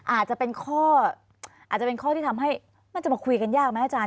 อาจจะเป็นข้ออาจจะเป็นข้อที่ทำให้มันจะมาคุยกันยากไหมอาจารย